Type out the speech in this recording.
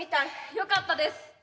よかったです。